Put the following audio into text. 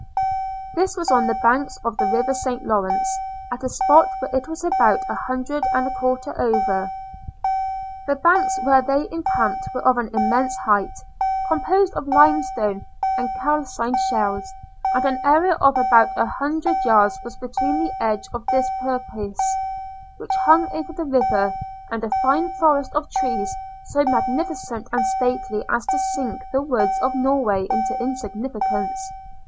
This was on the banks of the river St Lawrence, at a spot where it was about a mile and a quarter over. The banks where they encamped were of an immense height, composed of limestone and calcined shells; and an area of about an hundred yards was between the edge of this precipice, which hung over the river, and a fine forest of trees, so magnificent and stately as to sink the woods of Norway into insignificance.